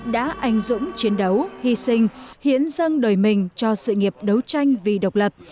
đã anh dũng chiến đấu hy sinh hiến dân đời mình cho sự nghiệp đấu tranh vì độc lập